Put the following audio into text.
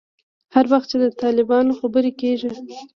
هر وخت چې د طالبانو خبره کېږي.